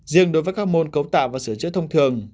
riêng đối với các môn cấu tạo và sửa chữa thông thường